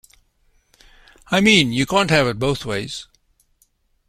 I mean, you can't have it both ways.